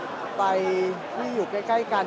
สวัสดีครับ